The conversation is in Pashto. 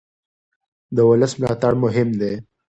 د ولس ملاتړ مهم دی